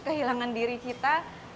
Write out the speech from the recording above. kehilangan diri kita